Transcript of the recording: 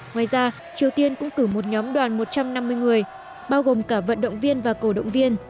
ngoài ra triều tiên cũng cử một nhóm đoàn một trăm năm mươi người bao gồm cả vận động viên và cổ động viên